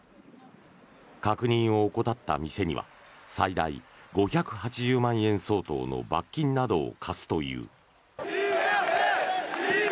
確認を怠った店には最大５８０万円相当の罰金などを科すという。